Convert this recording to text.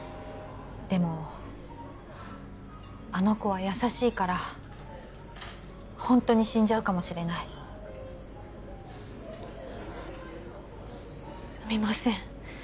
でもあの子は優しいからホントに死んじゃうかもしれないすみません